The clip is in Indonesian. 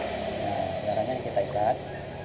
sekarangnya kita ikat